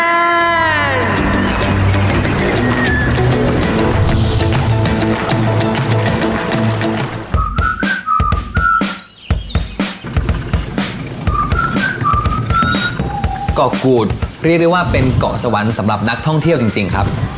เกาะกูดเรียกได้ว่าเป็นเกาะสวรรค์สำหรับนักท่องเที่ยวจริงครับ